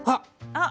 あっ！